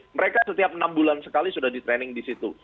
mereka setiap enam bulan sekali sudah di training di situ